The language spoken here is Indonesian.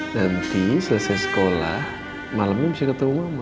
nanti selesai sekolah malamnya bisa ketemu mama